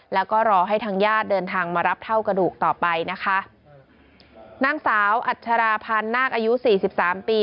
แล้วก็รอให้ทางญาติเดินทางมารับเท่ากระดูกต่อไปนะคะนางสาวอัชราพันธ์นาคอายุสี่สิบสามปี